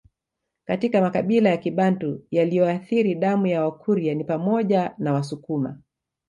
Katika makabila ya Kibantu yaliyoathiri damu ya Wakurya ni pamoja na Wasukuma